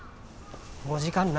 もう時間ない。